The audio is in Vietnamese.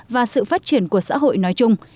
và sự phát triển của xã hội nói chung